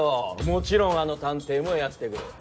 もちろんあの探偵もやって来る。